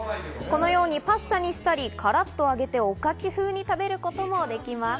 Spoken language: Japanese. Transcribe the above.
このように、パスタにしたり、からっと揚げておかき風に食べることもできます。